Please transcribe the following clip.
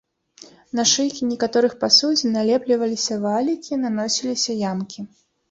На шыйкі некаторых пасудзін налепліваліся валікі, наносіліся ямкі.